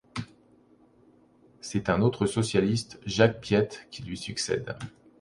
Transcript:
C'est un autre socialiste, Jacques Piette, qui lui succède.